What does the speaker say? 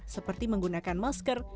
seperti menggunakan masker